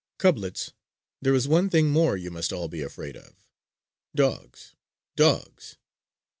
"Cublets, there is one thing more you must all be afraid of: dogs! dogs!